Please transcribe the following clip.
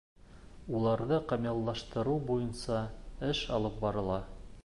Уларҙы камиллаштырыу буйынса эш алып барыла.